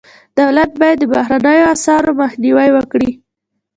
دولت باید د بهرنیو اسعارو مخنیوی وکړي.